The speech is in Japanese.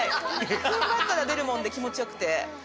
踏ん張ったら出るもんで気持ちよくて。